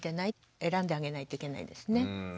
選んであげないといけないですね。